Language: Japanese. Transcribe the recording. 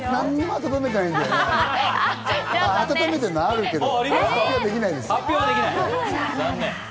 温めてるのあるけど発表できないんです。